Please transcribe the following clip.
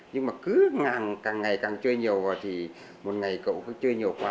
nhưng mà càng ngày càng chơi nhiều thì một ngày cậu chơi nhiều quá